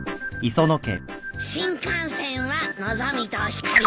「新幹線はのぞみとひかり」